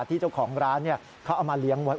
ที่เจ้าของร้านเขาเอามาเลี้ยงไว้